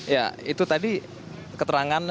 ya itu tadi keterangan